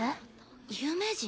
有名人？